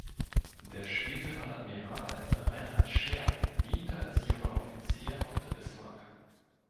Der spätere Admiral Reinhard Scheer diente als junger Offizier auf der "Bismarck".